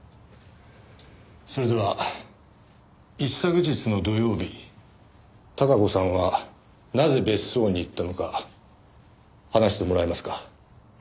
それでは一昨日の土曜日孝子さんはなぜ別荘に行ったのか話してもらえますか？